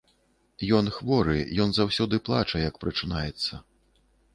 Ён хворы, ён заўсёды плача, як прачынаецца.